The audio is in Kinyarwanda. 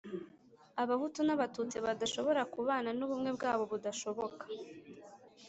abahutu n’abatutsi badashobora kubana, n’ubumwe bwabo budashoboka